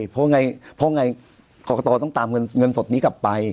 เพราะไงครอบครัวตอต้องตามเงินสดนี้กลับไป